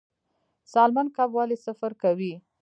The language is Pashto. سالمن کب ولې سفر کوي؟